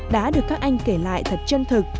đã được các anh kể lại thật chân thực